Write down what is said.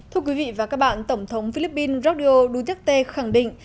thưa quý vị và các bạn tổng thống philippines gordio duterte khẳng định